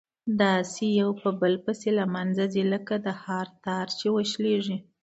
داسي يو په بل پسي له منځه ځي لكه د هار تار چي وشلېږي